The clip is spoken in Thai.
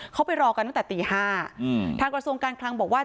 เขาไปรอกันตั้งแต่ตี๕ทางกระทรวงการคลังบอกว่า